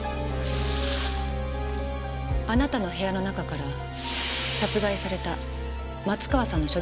あなたの部屋の中から殺害された松川さんの所持品が見つかりました。